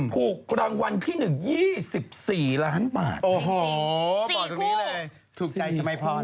หลังวัลที่หนึ่ง๒๔ล้านบาทจริงบอกตรงนี้เลยถูกใจสมัยพร